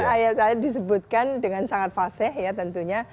ayat ayat disebutkan dengan sangat faseh ya tentunya